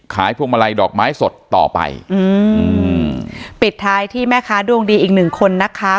พวงมาลัยดอกไม้สดต่อไปอืมปิดท้ายที่แม่ค้าดวงดีอีกหนึ่งคนนะคะ